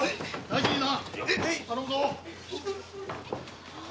大事にな。